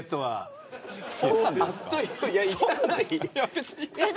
別に。